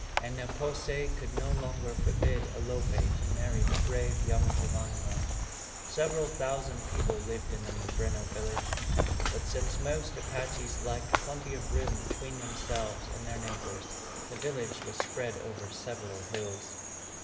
And Ne po se could no longer forbid Alope to marry the brave young Geronimo. Several thousand people lived in the Mimbreno village. But since most Apaches liked plenty of room between themselves and their neighbors, the village was spread over several hills.